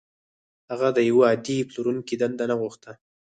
هغه د يوه عادي پلورونکي دنده نه غوښته.